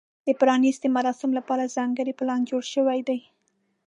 د پرانیستې مراسمو لپاره ځانګړی پلان جوړ شوی دی.